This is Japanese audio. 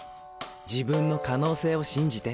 自分の可能性を信じて。